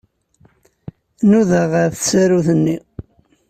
Nudaɣ ɣef tsarut-nni.